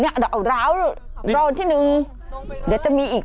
เนี้ยเอาร้อนร้อนที่หนึ่งเดี๋ยวมีอีก